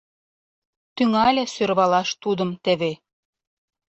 Тӱҥале сӧрвалаш тудым теве: